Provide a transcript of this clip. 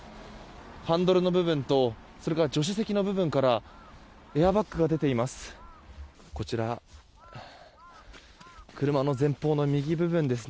ハンドルの部分と助手席の部分からエアバッグが出ています。